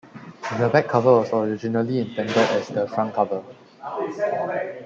The back cover was originally intended as the front cover.